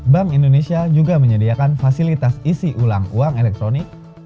bank indonesia juga menyediakan fasilitas isi ulang uang elektronik